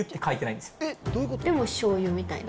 でもしょうゆみたいな。